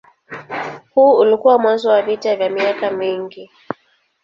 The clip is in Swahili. Huu ulikuwa mwanzo wa vita vya miaka mingi.